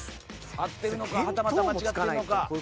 合ってるのかはたまた間違ってるのか。